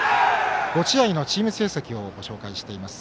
５試合のチーム成績をご紹介しています。